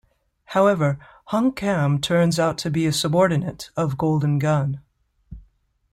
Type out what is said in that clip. However, Heung-kam turns out to be a subordinate of Golden Gun.